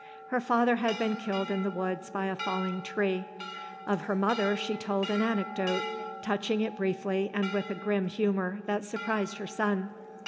Her father had been killed in the woods by a falling tree. Of her mother she told an anecdote, touching it briefly and with a grim humour that surprised her son.